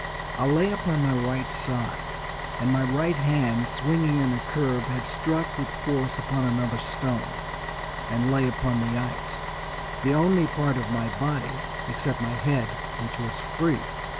I lay upon my right side, and my right hand, swinging in a curve, had struck with force upon another stone, and lay upon the ice, the only part of my body, except my head, which was free.